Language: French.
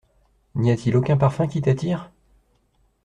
N’y a-t-il aucun parfum qui t’attire?